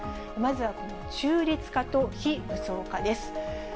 まずはこの中立化と非武装化です。